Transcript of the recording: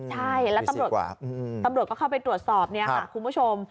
ใช่แล้วตำรวจก็เข้าไปตรวจสอบเนี่ยค่ะคุณผู้ชม